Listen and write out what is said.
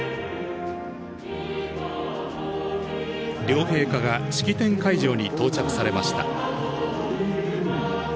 両陛下が式典会場に到着されました。